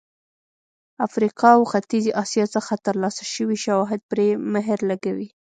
افریقا او ختیځې اسیا څخه ترلاسه شوي شواهد پرې مهر لګوي.